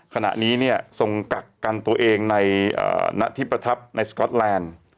ขณะนี้เนี่ยทรงกักกันตัวเองในหน้าที่ประทับในสก๊อตแลนด์